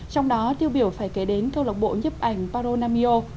trong đó tiêu biểu phải kể đến câu lạc bộ nhấp ảnh paro nam mio